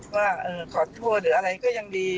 ว่าขอโทษหรืออะไรก็ยังดี